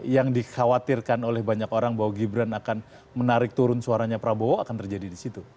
yang dikhawatirkan oleh banyak orang bahwa gibran akan menarik turun suaranya prabowo akan terjadi di situ